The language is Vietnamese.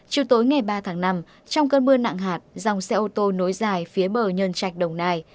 chiều tối ngày ba tháng năm trong cơn mưa nặng hạt dòng xe ô tô nối dài phía bờ nhân trạch đồng nai